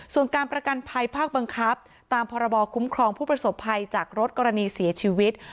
ส่วนการประกันภัยภาคบังคับตามพรบคุ้มครองผู้ประสบภัยจากรถกรณีเสียชีวิต